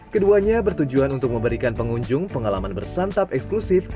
keduanya bertujuan untuk memberikan pengunjung pengalaman bersantap eksklusif